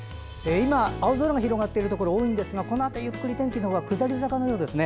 今、青空の広がっているところ多いんですがこのあとゆっくり天気は下り坂のようですね。